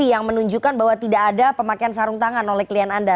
yang menunjukkan bahwa tidak ada pemakaian sarung tangan oleh klien anda